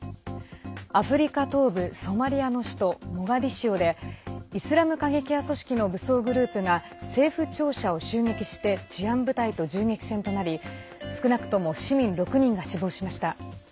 アフリカ東部ソマリアの首都モガディシオでイスラム過激派組織の武装グループが政府庁舎を襲撃して治安部隊と銃撃戦となり少なくとも市民６人が死亡しました。